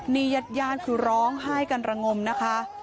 นี่ยัดยานคือร้องไห้กันระงมนะคะ